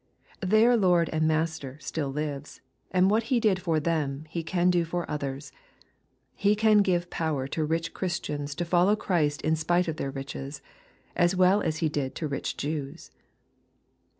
. Their Lord and Master still lives, and what He did for them He can do for others. He can give power to rich Christians to follow Christ in spite of their riches, as well as He did to rich Jews.